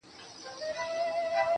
• که مړ سوم نو ومنه.